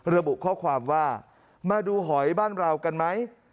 ระบุข้อความว่ามาดูหอยบ้านเรากันไหม